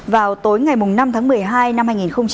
vào tối ngày năm tháng một mươi hai năm hai nghìn hai mươi